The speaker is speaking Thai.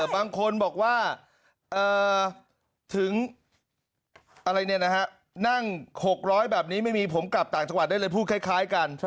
บางคนบอกว่าถึงนั่ง๖๐๐แบบนี้ไม่มีผมกลับต่างจังหวัดได้เลยพูดคล้ายกัน